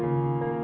nolak lu ngeri kan